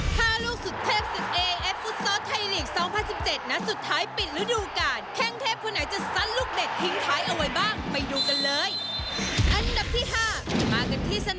โปรดติดตามตอนต่อไป